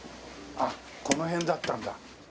あっこの辺だったんだ。